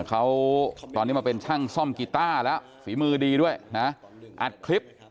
เขาตอนนี้มาเป็นช่างซ่อมกีต้าแล้วฝีมือดีด้วยนะอัดคลิป